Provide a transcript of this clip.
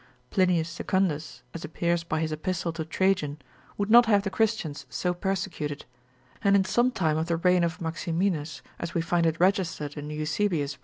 Plinius Secundus, as appears by his Epistle to Trajan, would not have the Christians so persecuted, and in some time of the reign of Maximinus, as we find it registered in Eusebius lib.